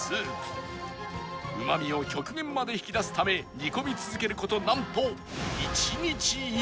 うまみを極限まで引き出すため煮込み続ける事なんと